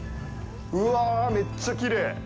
うわあ、めっちゃきれい。